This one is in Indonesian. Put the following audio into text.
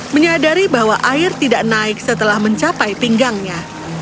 menyadari bahwa air tidak naik setelah mencapai pinggangnya